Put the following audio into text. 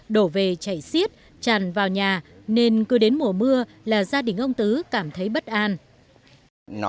đổ về chảy xiết tràn vào nhà nên cứ đến mùa mưa là gia đình ông tứ cảm thấy bất an